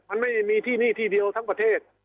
มันไม่มีที่นี่ที่เดียวทั้งประเทศ